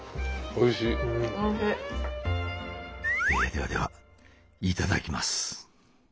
ええではではいただきます。